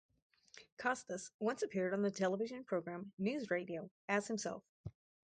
Costas once appeared on the television program, "NewsRadio", as himself.